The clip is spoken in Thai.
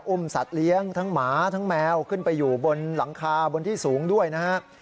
สัตว์เลี้ยงทั้งหมาทั้งแมวขึ้นไปอยู่บนหลังคาบนที่สูงด้วยนะฮะ